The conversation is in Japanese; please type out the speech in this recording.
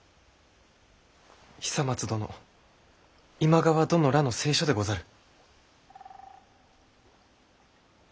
久松殿今川殿らの誓書でござる。